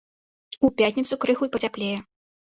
У пятніцу крыху пацяплее.